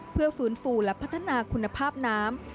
เพื่อฟื้นฟูและพัฒนาคุณภาพน้ำ